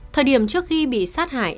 thời điểm trước khi bị sát hại